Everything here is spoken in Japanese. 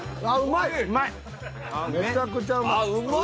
あっうまい。